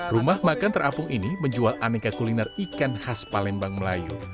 rumah makan terapung ini menjual aneka kuliner ikan khas palembang melayu